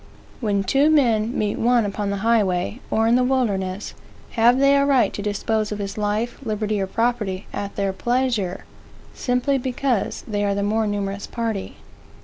When two men meet one upon the highway, or in the wilderness, have they a right to dispose of his life, liberty, or property at their pleasure, simply because they are the more numerous party?